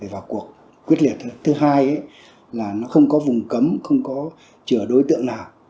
và cuộc quyết liệt thứ hai là nó không có vùng cấm không có chừa đối tượng nào